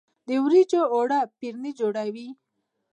د وریجو اوړه فرني جوړوي.